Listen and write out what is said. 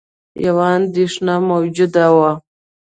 یوه اندېښنه موجوده وه